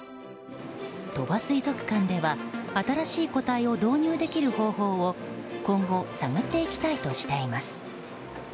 鳥羽水族館では新しい個体を導入できる方法を今後探っていきたいとしています。